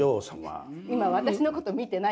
今私のこと見てない。